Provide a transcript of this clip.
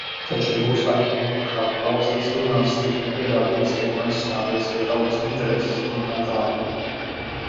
Taču jūs aizsmakušās balsīs runāsiet un pierādīsiet, un aizstāvēsiet tautas intereses, un tā tālāk.